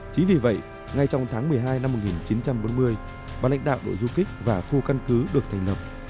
chính vì vậy ngay trong tháng một mươi hai năm một nghìn chín trăm bốn mươi bà lãnh đạo đội du kích và khu căn cứ được thành lập